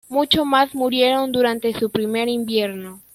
Muchos más murieron durante su primer invierno.